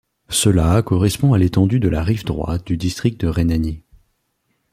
Cela correspond à l'étendue de la rive droite du district de Rhénanie.